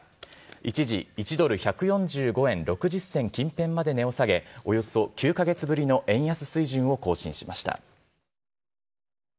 一時１ドル１４５円６０銭近辺まで値を下げ、およそ９か月ぶりの円安水準を更新しました。